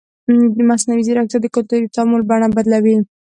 مصنوعي ځیرکتیا د کلتوري تعامل بڼه بدلوي.